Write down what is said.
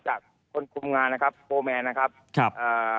จากคนคุมงานนะครับโฟร์แมนนะครับครับอ่า